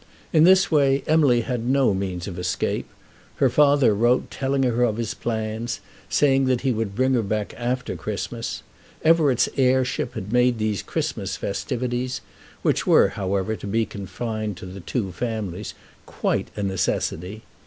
In this way Emily had no means of escape. Her father wrote telling her of his plans, saying that he would bring her back after Christmas. Everett's heirship had made these Christmas festivities, which were, however, to be confined to the two families, quite a necessity.